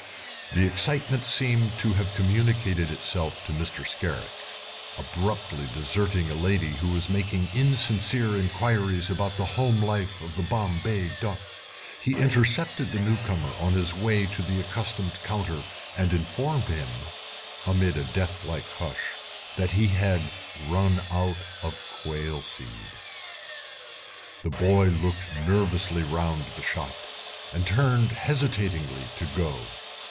The excitement seemed to have communicated itself to Mr. Scarrick; abruptly deserting a lady who was making insincere inquiries about the home life of the Bombay duck, he intercepted the newcomer on his way to the accustomed counter and informed him, amid a deathlike hush, that he had run out of quail seed. The boy looked nervously round the shop, and turned hesitatingly to go.